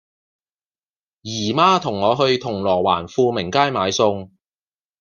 姨媽同我去銅鑼灣富明街買餸